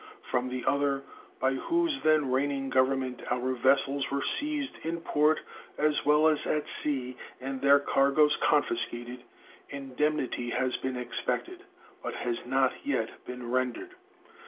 From the other, by whose then reigning Government our vessels were seized in port as well as at sea and their cargoes confiscated, indemnity has been expected, but has not yet been rendered.